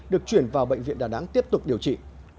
được chuyển vào bệnh viện đà đắng tiếp tục điều trị